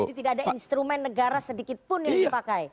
jadi tidak ada instrumen negara sedikit pun yang dipakai